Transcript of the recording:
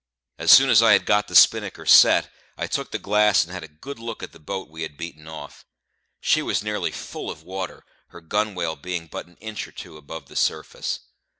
As soon as I had got the spinnaker set, I took the glass and had a good look at the boat we had beaten off. She was nearly full of water, her gunwale being but an inch or two above the surface.